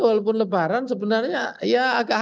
walaupun lebaran sebenarnya ya agak hangat hangatnya ya